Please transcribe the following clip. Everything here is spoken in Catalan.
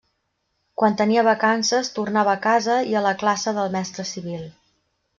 Quan tenia vacances tornava a casa i a la classe del mestre Civil.